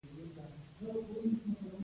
دا دواړه اصطلاحات نه بېلېدونکي مفاهیم لري.